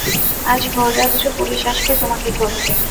আজ ভোররাত্রে পুলিস আসবে তোমাকে ধরতে।